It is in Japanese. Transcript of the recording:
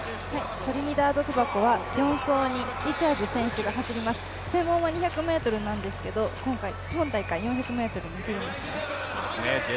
トリニダード・トバゴは４走にリチャーズ選手が走ります、専門は２００ｍなんですけれども今大会、４００ｍにも登場します。